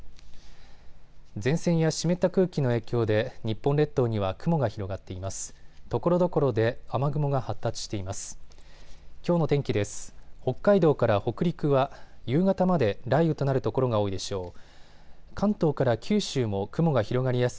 前線や湿った空気の影響で日本列島には雲が広がっています。